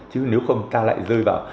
chứ nếu không ta lại rơi vào